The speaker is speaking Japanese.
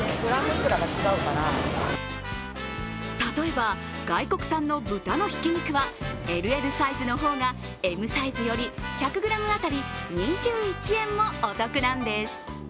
例えば外国産の豚のひき肉はＬＬサイズの方がＭサイズより１００ｇ当たり２１円もお得なんです。